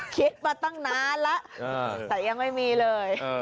คิดมาตั้งนานแล้วแต่ยังไม่มีเลย